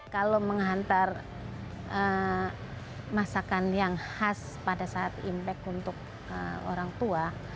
kalau menghantar masakan yang khas pada saat impek untuk orang tua